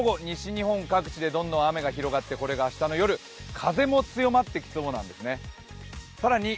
明日の午後、西日本各地でどんどん雨が広がってこれが明日の夜風も強まってきそうなんですね。